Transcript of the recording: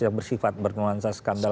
yang bersifat berkenuansa skandal